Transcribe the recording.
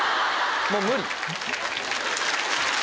もう無理。